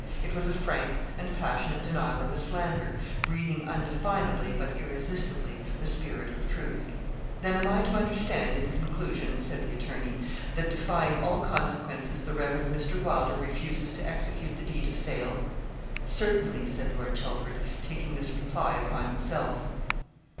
It was a frank and passionate denial of the slander, breathing undefinably, but irresistibly, the spirit of truth. 'Then am I to understand, in conclusion,' said the attorney, that defying all consequences, the Rev. Mr. Wylder refuses to execute the deed of sale?' 'Certainly,' said Lord Chelford, taking this reply upon himself.